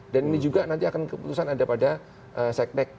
dan ini juga nanti akan keputusan ada pada seknek